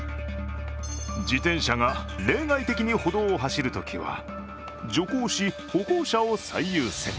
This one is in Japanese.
自転車が例外的に歩道を走るときは徐行し、歩行者を最優先。